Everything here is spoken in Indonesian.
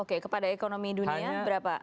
oke kepada ekonomi dunia berapa